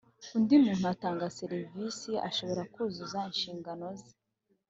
undi muntu utanga serivisi ashobora kuzuza inshingano ze